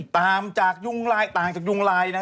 ตามจากยุงลายนะฮะ